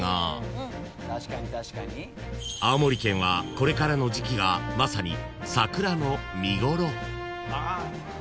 ［これからの時期がまさに桜の見頃］